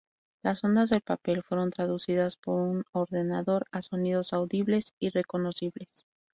Las ondas del papel fueron traducidas por un ordenador a sonidos audibles y reconocibles.